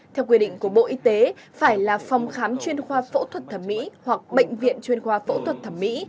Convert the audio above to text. theo quy định của bộ y tế phải là phòng khám chuyên khoa phẫu thuật thẩm mỹ hoặc bệnh viện chuyên khoa phẫu thuật thẩm mỹ